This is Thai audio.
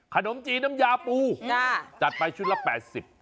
ขนมจีนน้ำยาปูจัดไปชุดละ๘๐บาท